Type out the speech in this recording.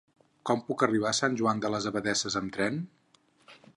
Com puc arribar a Sant Joan de les Abadesses amb tren?